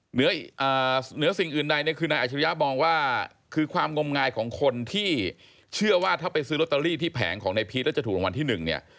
เหนือสิ่งอื่นใดเนี่ยคือนายอาชิริยะมองว่าคือความงมงายของคนที่เชื่อว่าถ้าไปซื้อลอตเตอรี่ที่แผงของนายพีชแล้วจะถูกรางวัลที่หนึ่งเนี่ย